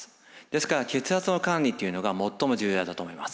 ですから血圧の管理っていうのが最も重要だと思います。